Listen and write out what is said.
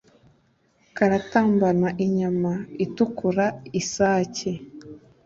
Karatambana inyama itukura.-Isake.